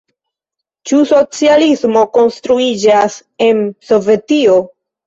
Ĉu socialismo konstruiĝas en Sovetio?